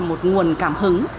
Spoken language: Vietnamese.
một nguồn cảm hứng